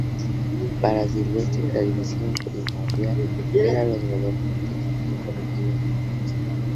Para Silvestre, la división primordial eran los gobiernos y corregimientos.